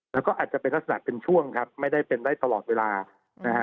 แล้วก็อาจจะเป็นลักษณะเป็นช่วงครับไม่ได้เป็นได้ตลอดเวลานะฮะ